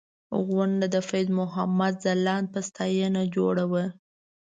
غونډه د فیض محمد ځلاند په ستاینه جوړه وه.